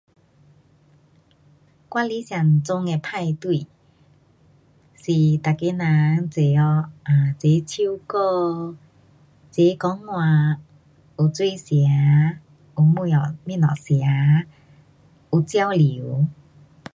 我理想中的派对，是每个人齐合，啊，齐唱歌，齐讲话，有水吃，有东西，东西吃，有交流。